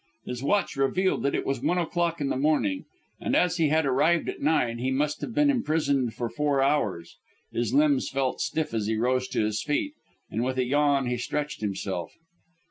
His watch revealed that it was one o'clock in the morning, and as he had arrived at nine he must have been imprisoned for four hours. His limbs felt stiff as he rose to his feet, and with a yawn he stretched himself.